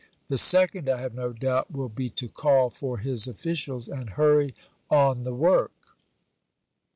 The second, I have no doubt, will be to call for his officials and hurry on the work."